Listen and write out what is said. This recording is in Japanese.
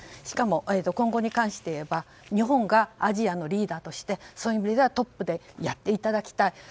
しかも、今後に関していえば日本がアジアのリーダーとしてそういう意味ではトップでやっていただきたい。